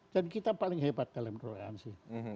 jadi kita paling hebat dalam toleransi